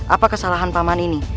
apa kesalahan paman ini